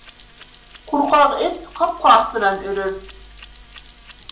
Курҡаҡ эт ҡапҡа аҫтынан өрөр